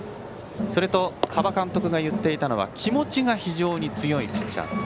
それと端場監督が言っていたのは気持ちが非常に強いピッチャーだと。